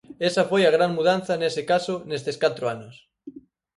Esa foi a gran mudanza nese caso nestes catro anos.